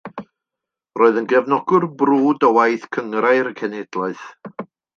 Roedd yn gefnogwr brwd o waith Gynghrair y Cenhedloedd.